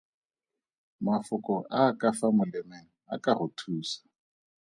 Mafoko a a ka fa molemeng a ka go thusa.